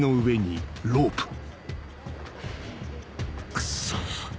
クソ！